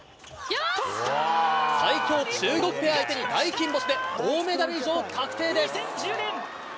最強中国ペア相手に大金星で銅メダル以上確定です。